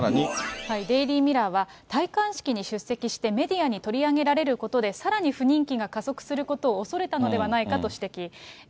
デイリー・ミラーは、戴冠式に出席してメディアに取り上げられることで、さらに不人気が加速することを恐れたのではないかと指摘。